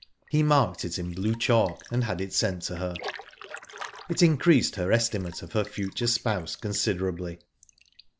He marked it in blue chalk, and had it sent to her. It increased her estimate of her future spouse, considerably.